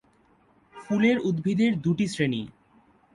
ফুলের উদ্ভিদের দুটি শ্রেণী।